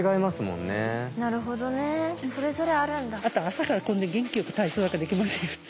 朝からこんな元気よく体操なんかできませんよ普通。